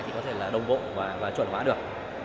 thì có thể đồng bộ và chuẩn hóa được